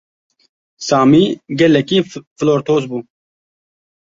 Samî gelekî flortoz bû.